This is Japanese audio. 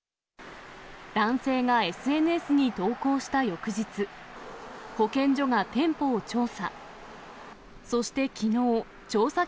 男性がＳＮＳに投稿した翌日、保健所が店舗を調査。